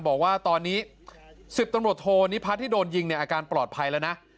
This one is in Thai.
บอกว่าตอนนี้๑๐ตำระโทนี่แผนที่โดนยิงอาการปลอดภัยแล้วนะ